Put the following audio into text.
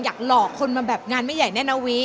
หลอกคนมาแบบงานไม่ใหญ่แน่นะวี